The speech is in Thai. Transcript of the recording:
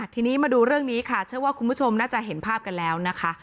ทีนี้มาดูเรื่องนี้ค่ะเชื่อว่าคุณผู้ชมน่าจะเห็นภาพกันแล้วนะคะ